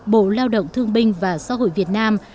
bộ lao động thương binh và xã hội việt nam